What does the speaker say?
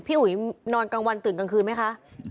อุ๋ยนอนกลางวันตื่นกลางคืนไหมคะ